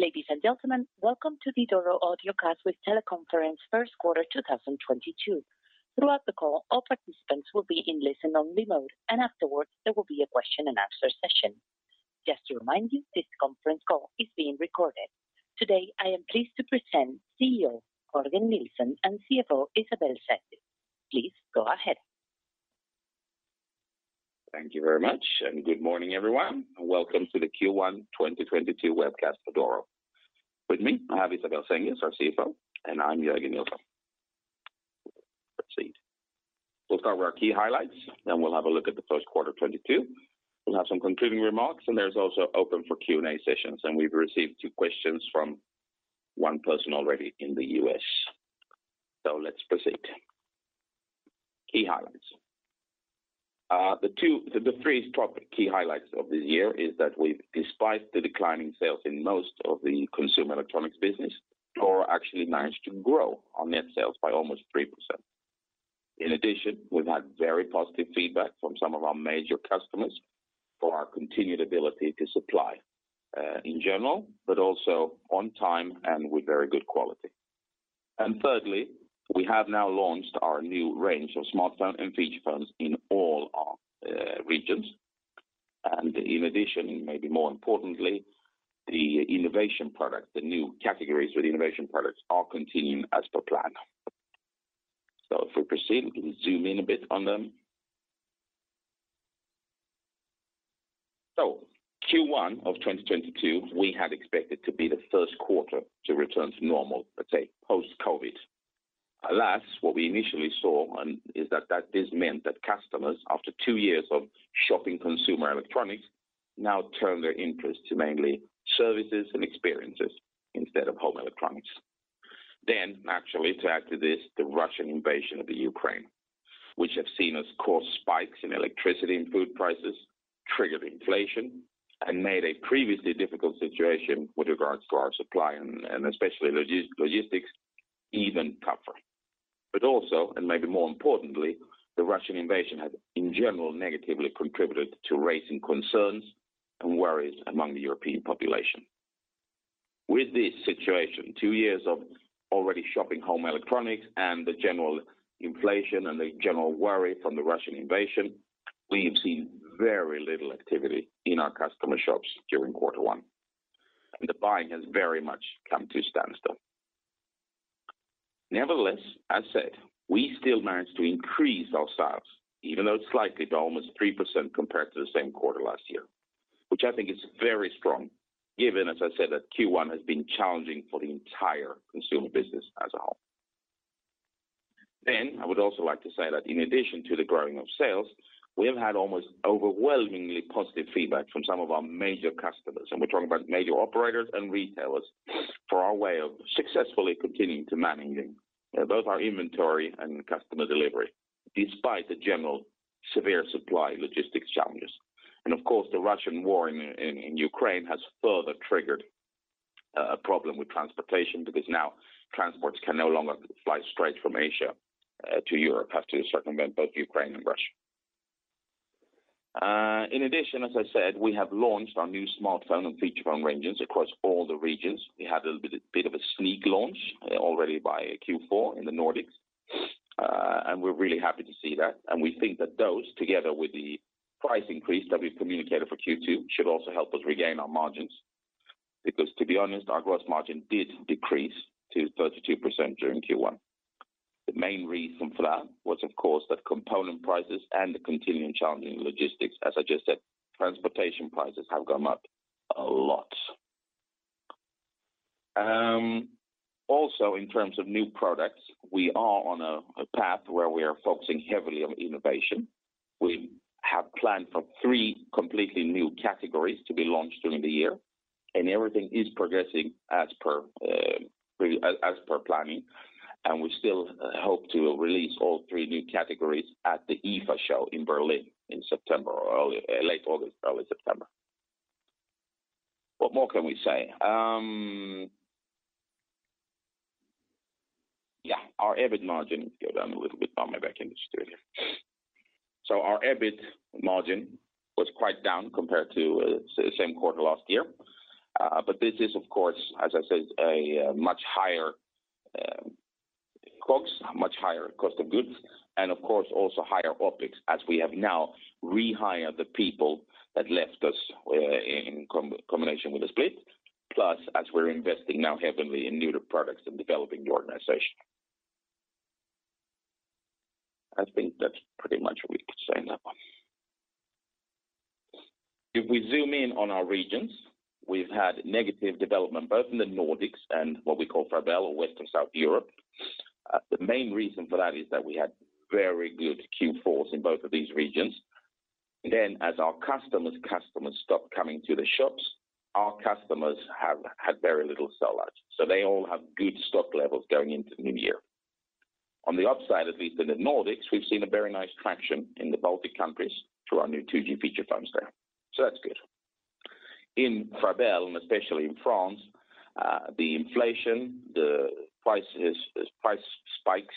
Ladies and gentlemen, welcome to the Doro Audiocast with Teleconference first quarter 2022. Throughout the call, all participants will be in listen-only mode, and afterwards, there will be a question and answer session. Just to remind you, this conference call is being recorded. Today, I am pleased to present CEO Jörgen Nilsson and CFO Isabelle Senges. Please go ahead. Thank you very much, and good morning, everyone. Welcome to the Q1 2022 webcast for Doro. With me, I have Isabelle Senges, our CFO, and I'm Jörgen Nilsson. Let's proceed. We'll start with our key highlights, then we'll have a look at the first quarter of 2022. We'll have some concluding remarks, and it's also open for Q&A sessions. We've received two questions from one person already in the US. Let's proceed. Key highlights. The three top key highlights of this year is that we've, despite the declining sales in most of the consumer electronics business, Doro actually managed to grow our net sales by almost 3%. In addition, we've had very positive feedback from some of our major customers for our continued ability to supply, in general, but also on time and with very good quality. Thirdly, we have now launched our new range of smartphone and feature phones in all our regions. In addition, and maybe more importantly, the innovation product, the new categories for the innovation products are continuing as per plan. If we proceed, we can zoom in a bit on them. Q1 of 2022, we had expected to be the first quarter to return to normal, let's say, post-COVID. Alas, what we initially saw is that this meant that customers, after two years of shopping consumer electronics, now turn their interest to mainly services and experiences instead of home electronics. Naturally, to add to this, the Russian invasion of the Ukraine, which we've seen has caused spikes in electricity and food prices, triggered inflation, and made a previously difficult situation with regards to our supply and especially logistics even tougher. Also, and maybe more importantly, the Russian invasion has, in general, negatively contributed to raising concerns and worries among the European population. With this situation, two years of already shopping home electronics and the general inflation and the general worry from the Russian invasion, we have seen very little activity in our customer shops during quarter one. The buying has very much come to a standstill. Nevertheless, as said, we still managed to increase our sales, even though it's slightly to almost 3% compared to the same quarter last year, which I think is very strong, given, as I said, that Q1 has been challenging for the entire consumer business as a whole. I would also like to say that in addition to the growing of sales, we have had almost overwhelmingly positive feedback from some of our major customers, and we're talking about major operators and retailers, for our way of successfully continuing to managing both our inventory and customer delivery despite the general severe supply logistics challenges. Of course, the Russian war in Ukraine has further triggered a problem with transportation because now transports can no longer fly straight from Asia to Europe, have to circumvent both Ukraine and Russia. In addition, as I said, we have launched our new smartphone and feature phone ranges across all the regions. We had a bit of a sneak launch already by Q4 in the Nordics, and we're really happy to see that. We think that those, together with the price increase that we've communicated for Q2, should also help us regain our margins. Because to be honest, our growth margin did decrease to 32% during Q1. The main reason for that was, of course, that component prices and the continuing challenging logistics, as I just said, transportation prices have gone up a lot. Also, in terms of new products, we are on a path where we are focusing heavily on innovation. We have planned for three completely new categories to be launched during the year, and everything is progressing as per planning. We still hope to release all three new categories at the IFA show in Berlin in September or late August, early September. What more can we say? Our EBIT margin went down a little bit, but maybe I can just do it here. Our EBIT margin was quite down compared to same quarter last year. This is of course, as I said, a much higher COGS, much higher cost of goods, and of course, also higher OpEx as we have now rehired the people that left us in combination with the split, plus as we're investing now heavily in new products and developing the organization. I think that's pretty much what we could say on that one. If we zoom in on our regions, we've had negative development both in the Nordics and what we call Frabel or Western South Europe. The main reason for that is that we had very good Q4s in both of these regions. As our customers stopped coming to the shops, our customers have had very little sell-out, so they all have good stock levels going into the new year. On the upside, at least in the Nordics, we've seen a very nice traction in the Baltic countries through our new 2G feature phones there. That's good. In Frabel, and especially in France, the inflation, the prices, the price spikes,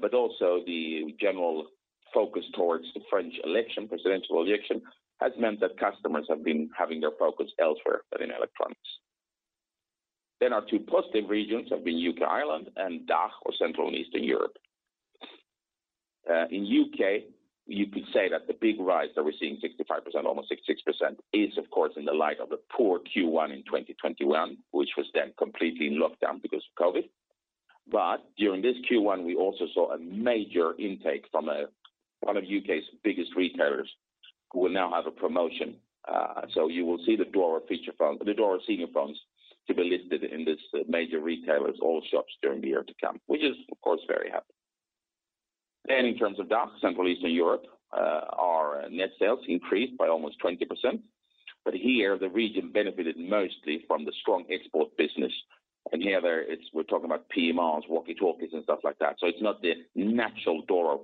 but also the general focus towards the French election, presidential election has meant that customers have been having their focus elsewhere but in electronics. Our two positive regions have been UK, Ireland and DACH or Central and Eastern Europe. In UK you could say that the big rise that we're seeing 65%, almost 66%, is of course in the light of the poor Q1 in 2021, which was then completely locked down because of COVID. During this Q1 we also saw a major intake from one of U.K.'s biggest retailers who will now have a promotion. So you will see the Doro feature phones, the Doro senior phones to be listed in this major retailer's all shops during the year to come, which is of course very happy. In terms of DACH, Central Eastern Europe, our net sales increased by almost 20%. Here the region benefited mostly from the strong export business. Here there is, we're talking about PMRs, walkie-talkies and stuff like that. It's not the natural Doro.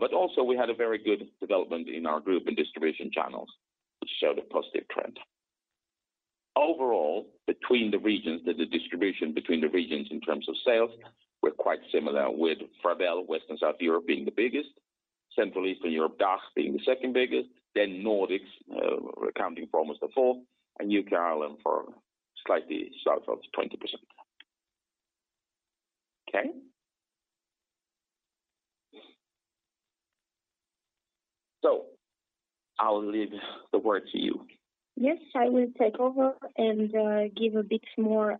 But also we had a very good development in our group and distribution channels which showed a positive trend. Overall, between the regions, the distribution between the regions in terms of sales were quite similar with Frabel, Western South Europe being the biggest. Central Eastern Europe, DACH being the second biggest, then Nordics, accounting for almost a fourth, and UK, Ireland for slightly south of 20%. Okay. I'll leave the word to you. Yes, I will take over and give a bit more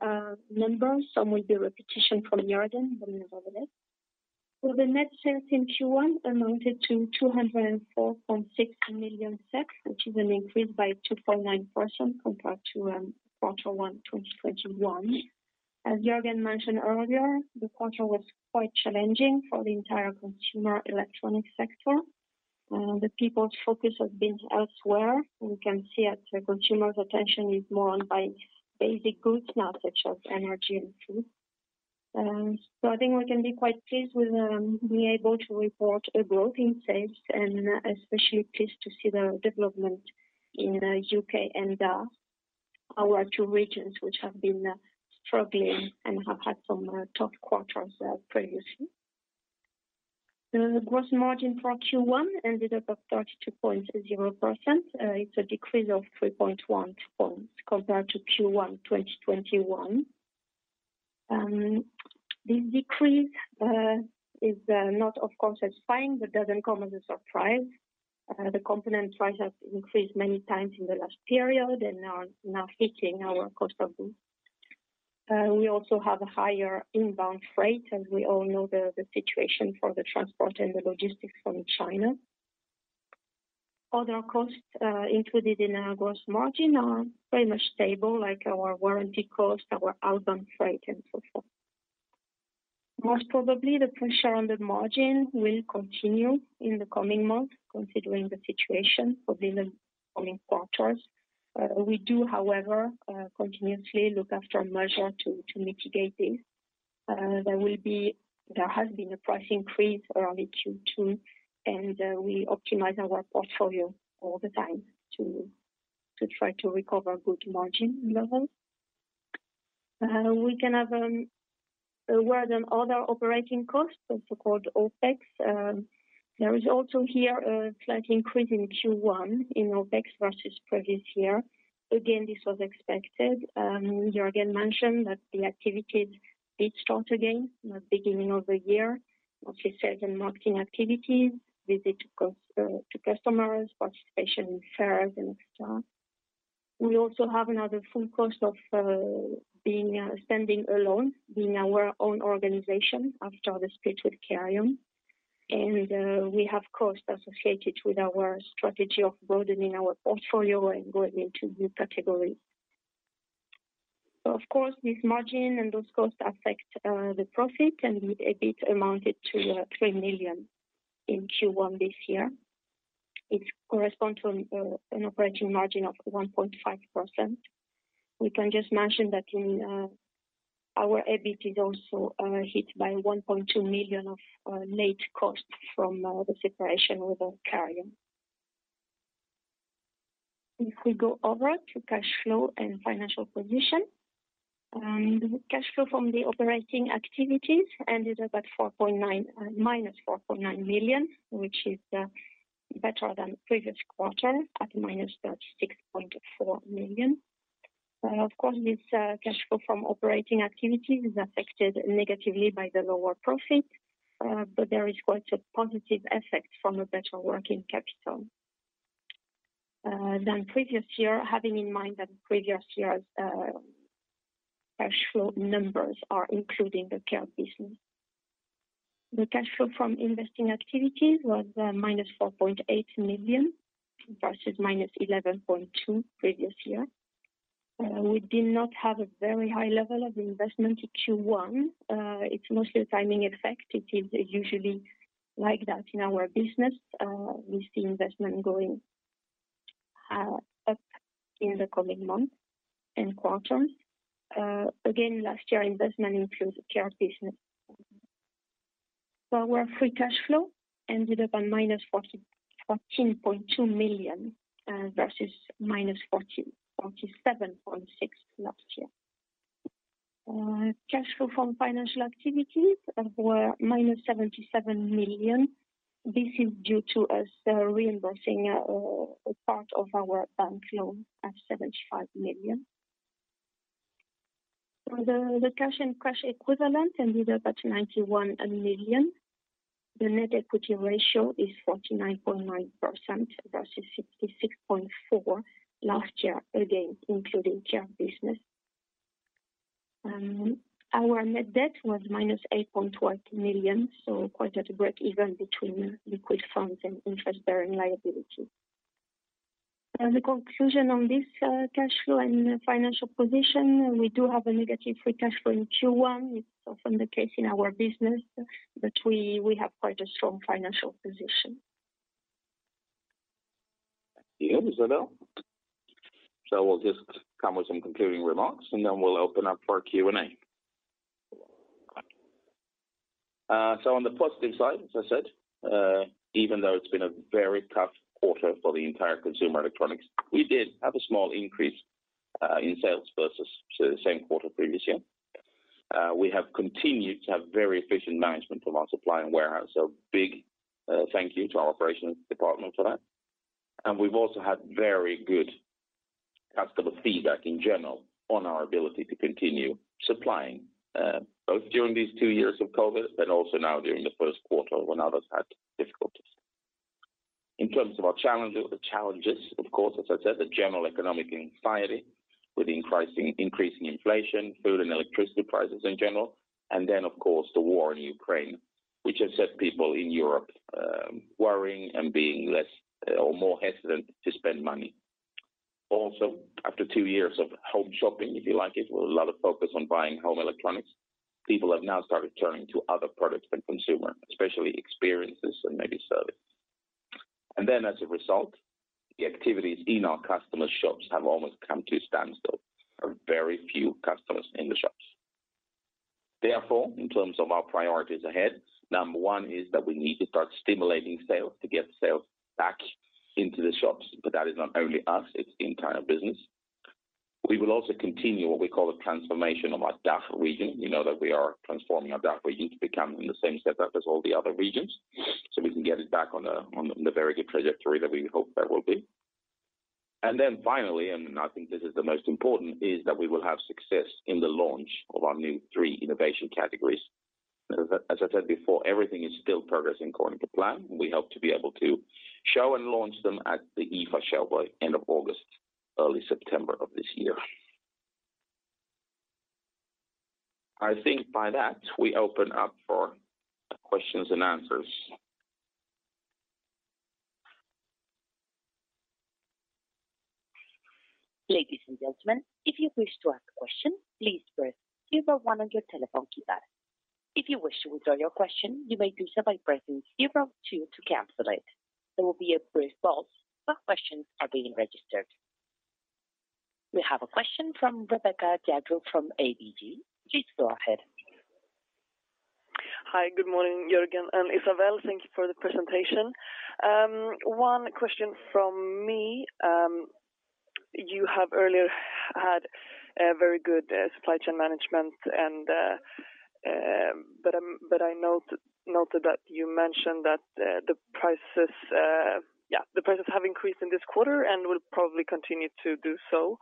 numbers. Some will be repetition from Jörgen, but nevertheless. The net sales in Q1 amounted to 204.6 million, which is an increase by 2.9% compared to quarter one 2021. As Jörgen mentioned earlier, the quarter was quite challenging for the entire consumer electronics sector. The people's focus has been elsewhere. We can see that the consumer's attention is more on buying basic goods now, such as energy and food. I think we can be quite pleased with being able to report a growth in sales and especially pleased to see the development in UK and DACH, our two regions which have been struggling and have had some tough quarters previously. The gross margin for Q1 ended up at 32.0%. It's a decrease of 3.1 points compared to Q1 2021. This decrease is not of course satisfying, but doesn't come as a surprise. The component price has increased many times in the last period and are now hitting our cost of goods. We also have a higher inbound freight, as we all know the situation for the transport and the logistics from China. Other costs included in our gross margin are pretty much stable, like our warranty costs, our outbound freight and so forth. Most probably the pressure on the margin will continue in the coming months considering the situation for the coming quarters. We do however continuously look for measures to mitigate this. There has been a price increase early Q2 and we optimize our portfolio all the time to try to recover good margin levels. We can have a word on other operating costs, also called OpEx. There is also here a slight increase in Q1 in OpEx versus previous year. Again, this was expected. Jörgen mentioned that the activities did start again at beginning of the year. Obviously sales and marketing activities, visit to customers, participation in fairs and et cetera. We also have another full cost of being standing alone in our own organization after the split with Careium. We have costs associated with our strategy of broadening our portfolio and going into new categories. Of course, this margin and those costs affect the profit and EBIT amounted to 3 million in Q1 this year. It corresponds to an operating margin of 1.5%. We can just mention that in our EBIT is also hit by 1.2 million of legal costs from the separation with Careium. If we go over to cash flow and financial position. Cash flow from the operating activities ended up at minus 4.9 million, which is better than previous quarter at minus 36.4 million. Of course, this cash flow from operating activities is affected negatively by the lower profit, but there is quite a positive effect from a better working capital. than previous year, having in mind that previous year's cash flow numbers are including the care business. The cash flow from investing activities was minus 4.8 million versus minus 11.2 million previous year. We did not have a very high level of investment in Q1. It's mostly a timing effect. It is usually like that in our business. We see investment going up in the coming months and quarters. Again, last year investment includes care business. Our free cash flow ended up at minus 14.2 million versus minus 47.6 million last year. Cash flow from financial activities were minus 77 million. This is due to us reimbursing a part of our bank loan at 75 million. The cash and cash equivalent ended up at 91 million. The net equity ratio is 49.9% versus 66.4% last year, again including TR business. Our net debt was -8.1 million, so quite at a break-even between liquid funds and interest-bearing liability. As a conclusion on this, cash flow and financial position, we do have a negative free cash flow in Q1. It's often the case in our business, but we have quite a strong financial position. Thank you, Isabelle. We'll just come with some concluding remarks, and then we'll open up for Q&A. On the positive side, as I said, even though it's been a very tough quarter for the entire consumer electronics, we did have a small increase in sales versus the same quarter previous year. We have continued to have very efficient management of our supply and warehouse. Big thank you to our operations department for that. We've also had very good customer feedback in general on our ability to continue supplying both during these two years of COVID, and also now during the first quarter when others had difficulties. In terms of our challenges, of course, as I said, the general economic anxiety with increasing inflation, food and electricity prices in general, and then of course the war in Ukraine, which has set people in Europe worrying and being less or more hesitant to spend money. Also, after two years of home shopping, if you like, it with a lot of focus on buying home electronics, people have now started turning to other products than consumer, especially experiences and maybe service. As a result, the activities in our customer shops have almost come to a standstill. There are very few customers in the shops. Therefore, in terms of our priorities ahead, number one is that we need to start stimulating sales to get sales back into the shops. That is not only us, it's the entire business. We will also continue what we call a transformation of our DACH region. We know that we are transforming our DACH region to become in the same setup as all the other regions, so we can get it back on a, on the very good trajectory that we hope that will be. Finally, and I think this is the most important, is that we will have success in the launch of our new three innovation categories. As I said before, everything is still progressing according to plan. We hope to be able to show and launch them at the IFA show by end of August, early September of this year. I think by that, we open up for questions and answers. Ladies and gentlemen, if you wish to ask a question, please press zero one on your telephone keypad. If you wish to withdraw your question, you may do so by pressing zero two to cancel it. There will be a brief pause while questions are being registered. We have a question from Rebecca Gjedro from ABG. Please go ahead. Hi. Good morning, Jörgen and Isabelle. Thank you for the presentation. One question from me. You have earlier had a very good supply chain management and, but I noted that you mentioned that the prices have increased in this quarter and will probably continue to do so.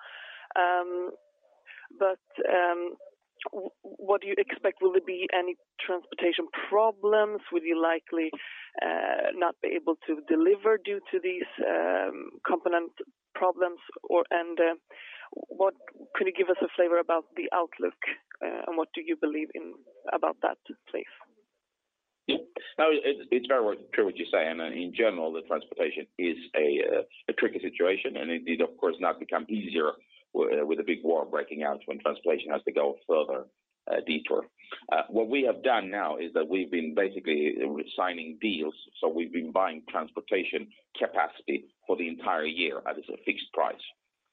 What do you expect? Will there be any transportation problems? Will you likely not be able to deliver due to these component problems or and what? Could you give us a flavor about the outlook, and what do you believe in about that, please? Yeah. No, it's very true what you say. In general, the transportation is a tricky situation, and it did of course not become easier with a big war breaking out when transportation has to go further, detour. What we have done now is that we've been basically signing deals, so we've been buying transportation capacity for the entire year at a fixed price.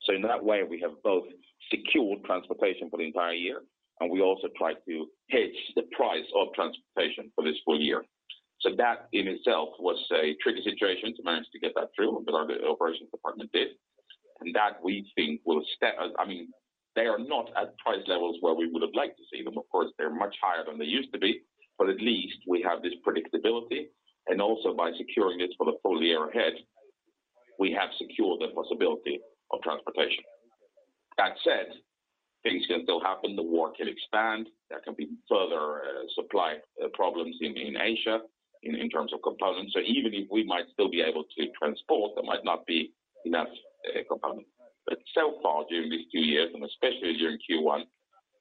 In that way, we have both secured transportation for the entire year, and we also try to hedge the price of transportation for this full year. That in itself was a tricky situation to manage to get that through, but our operations department did. That we think they are not at price levels where we would have liked to see them. Of course, they're much higher than they used to be. At least we have this predictability, and also by securing this for the full year ahead, we have secured the possibility of transportation. That said, things can still happen. The war can expand. There can be further supply problems in Asia in terms of components. Even if we might still be able to transport, there might not be enough component. So far during these two years, and especially during Q1,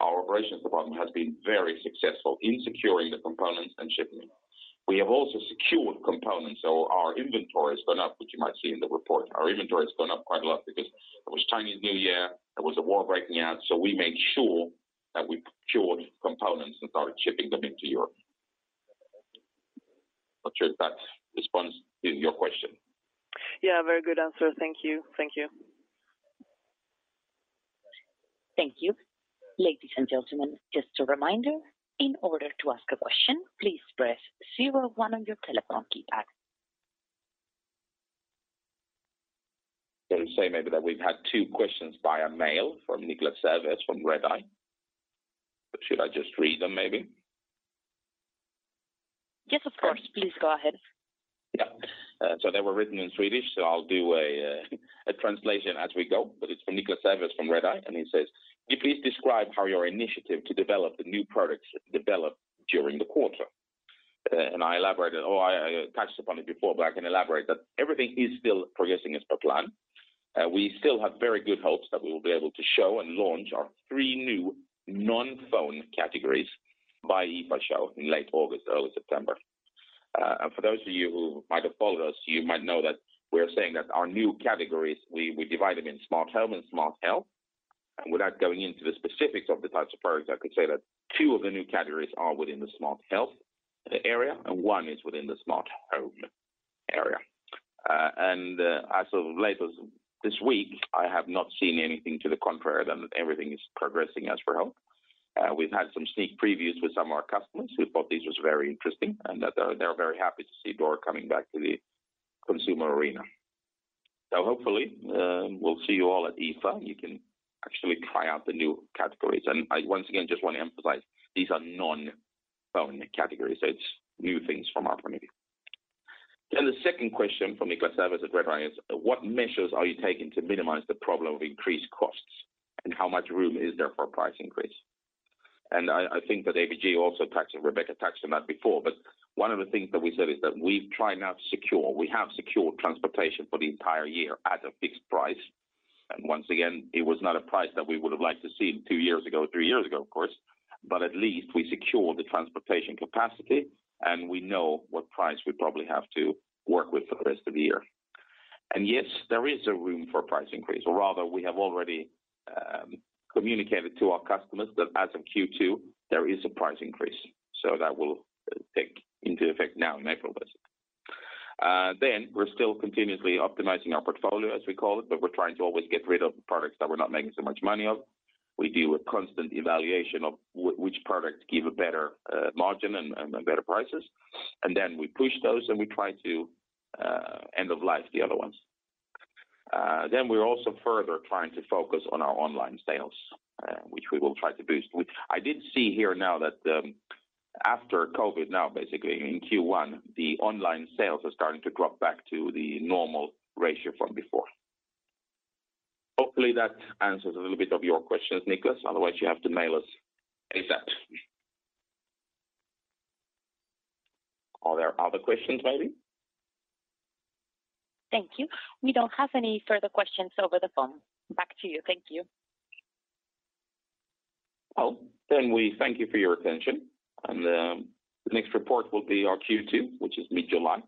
our operations department has been very successful in securing the components and shipment. We have also secured components, so our inventory has gone up, which you might see in the report. Our inventory has gone up quite a lot because there was Chinese New Year, there was a war breaking out, so we made sure that we secured components and started shipping them into Europe. Not sure if that responds to your question. Yeah, very good answer. Thank you. Thank you. Thank you. Ladies and gentlemen, just a reminder, in order to ask a question, please press zero one on your telephone keypad. to say maybe that we've had two questions via email from Niklas Sävås from Redeye. Should I just read them maybe? Yes, of course. Please go ahead. Yeah. They were written in Swedish, so I'll do a translation as we go. It's from Niklas Sävås from Redeye, and he says, "Can you please describe how your initiative to develop the new products developed during the quarter?" I elaborated or I touched upon it before, I can elaborate that everything is still progressing as per plan. We still have very good hopes that we will be able to show and launch our three new non-phone categories by IFA show in late August, early September. For those of you who might have followed us, you might know that we're saying that our new categories, we divide them in smart home and smart health. Without going into the specifics of the types of products, I could say that two of the new categories are within the smart health area and one is within the smart home area. As of late as this week, I have not seen anything to the contrary than that everything is progressing as per hope. We've had some sneak previews with some of our customers who thought this was very interesting and that they're very happy to see Doro coming back to the consumer arena. Hopefully, we'll see you all at IFA, and you can actually try out the new categories. I once again just want to emphasize, these are non-phone categories, so it's new things from our point of view. The second question from Niklas Sävås at Redeye is, "What measures are you taking to minimize the problem of increased costs, and how much room is there for a price increase?" I think that ABG also touched. Rebecca Gjedro touched on that before. One of the things that we said is that we have secured transportation for the entire year at a fixed price. Once again, it was not a price that we would have liked to see two years ago, three years ago, of course, but at least we secured the transportation capacity, and we know what price we probably have to work with for the rest of the year. Yes, there is a room for price increase, or rather, we have already communicated to our customers that as of Q2, there is a price increase. That will take into effect now in April basically. We're still continuously optimizing our portfolio, as we call it, but we're trying to always get rid of products that we're not making so much money of. We do a constant evaluation of which products give a better margin and better prices. We push those, and we try to end of life the other ones. We're also further trying to focus on our online sales, which we will try to boost. I did see here now that, after COVID, now basically in Q1, the online sales are starting to drop back to the normal ratio from before. Hopefully that answers a little bit of your questions, Niklas Sävås. Otherwise, you have to mail us ASAP. Are there other questions maybe? Thank you. We don't have any further questions over the phone. Back to you. Thank you. Well, we thank you for your attention. The next report will be our Q2, which is mid-July.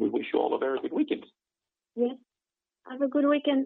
We wish you all a very good weekend. Yes. Have a good weekend.